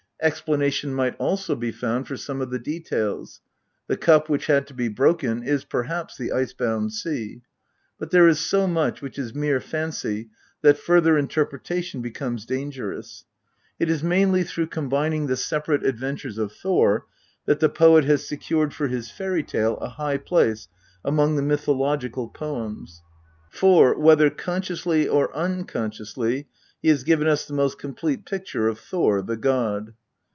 Explanation might also be found for some of the details the cup which had to be broken is perhaps the ice bound sea but there is so much which is mere fancy that further interpretation becomes dangerous. It is mainly through combining the separate adventures of Thor that the poet has secured for his fairy tale a high place among the mythological poems. For, whether consciously or unconsciously, he has given us the most complete picture of Thor, the god.